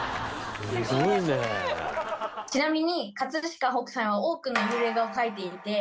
ちなみに飾北斎は多くの幽霊画を描いていて。